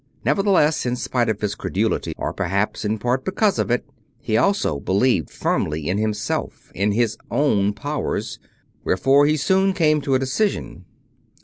Nevertheless, in spite of his credulity or perhaps in part because of it he also believed firmly in himself; in his own powers. Wherefore he soon came to a decision.